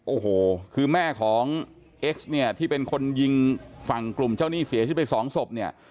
โอ้โหคือแม่ของเอ็กซ์เนี่ยที่เป็นคนยิงฝั่งกลุ่มเจ้าหนี้เสียชีวิตไปสองศพเนี่ย